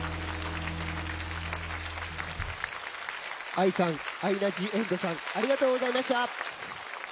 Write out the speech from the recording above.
ＡＩさんアイナ・ジ・エンドさんありがとうございました。